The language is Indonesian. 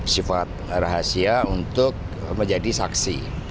sifat rahasia untuk menjadi saksi